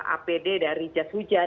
apd dari jas hujan